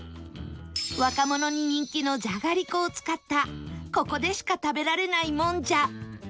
若者に人気のじゃがりこを使ったここでしか食べられないもんじゃ